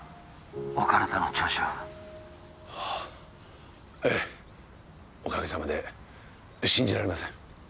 お体の調子はああええおかげさまで信じられません